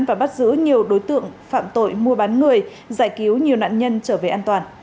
và bắt giữ nhiều đối tượng phạm tội mua bán người giải cứu nhiều nạn nhân trở về an toàn